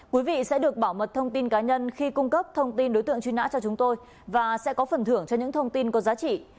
quý vị sẽ được bảo mật thông tin cá nhân khi cung cấp thông tin đối tượng truy nã cho chúng tôi và sẽ có phần thưởng cho những thông tin có giá trị